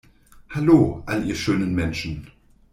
Hallo, all ihr schönen Menschen.